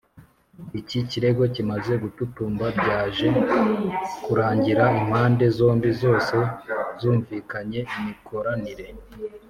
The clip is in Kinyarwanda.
iki kirego kimaze gututumba byaje kurangira impande zombi zose zumvikanye imikoranire